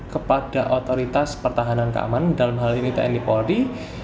kepada otoritas pertahanan keamanan dalam hal ini tni polri